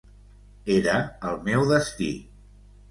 Era el meu destí.